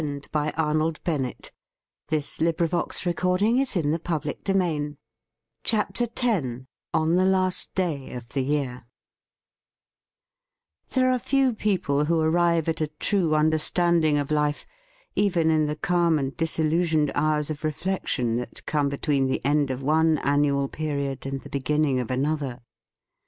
CHAPTER TEN ON THE LAST DAY OF THE YEAR THE FEAST OF ST FRIEND TEN ON THE LAST DAY OF THE YEAR THERE are few people who arrive at a true understanding of life, even in the calm and disillusioned hours of reflection that come between the end of one annual period and the beginning of another.